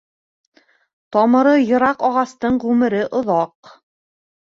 Тамыры йыраҡ ағастың ғүмере оҙаҡ.